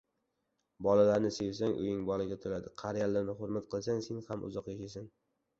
• Bolalarni sevsang uying bolaga to‘ladi, qariyalarni hurmat qilsang, sen ham uzoq yashaysan.